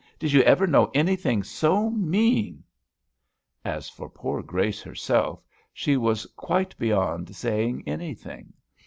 did you ever know anything so mean?" As for poor Grace herself, she was quite beyond saying anything.